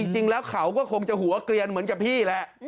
จริงแล้วเขาก็คงจะหัวเกลียนเหมือนกับพี่แหละ